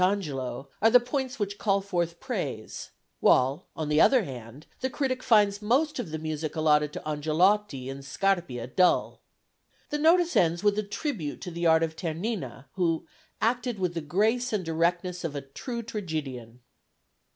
Angelo, are the points which call forth praise, while, on the other hand, this critic finds most of the music allotted to Angelotti and Scarpia dull. The notice ends with a tribute to the art of Ternina, who "acted with the grace and directness of a true tragedian."